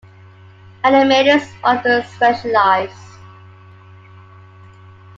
Animators often specialize.